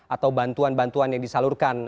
atau bantuan bantuan yang disalurkan